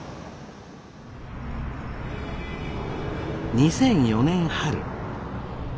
２００４年春。